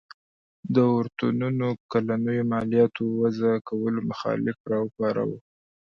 د اورتونونو کلنیو مالیاتو وضعه کولو مخالفت راوپاروله.